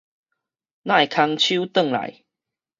哪會空手轉來？